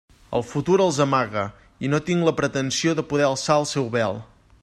El futur els amaga, i no tinc la pretensió de poder alçar el seu vel.